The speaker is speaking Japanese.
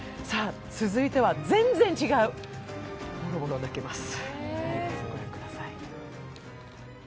続いては全然違う、ボロボロ泣けます。